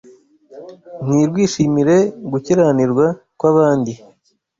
ntirwishimire gukiranirwa kw’abandi